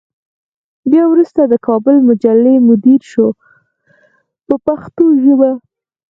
بیا وروسته د کابل مجلې مدیر شو په پښتو ژبه.